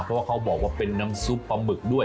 เพราะว่าเขาบอกว่าเป็นน้ำซุปปลาหมึกด้วย